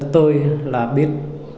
tôi là biết